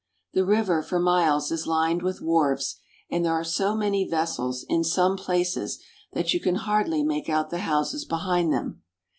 The river for miles is lined with wharves, and there are so many vessels in some places that you can hardly make out the houses behind them.